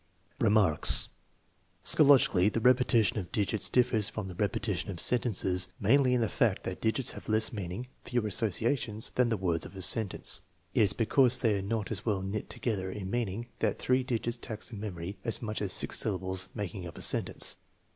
Remarks. Psychologically the repetition of digits differs from the repetition of sentences "nainly in the fact that digits have less meaning (fewer associations) than the words of a sentence. It is because they are not as well knit together in meaning that three digits tax the memory as much as six syllables making up a sentence.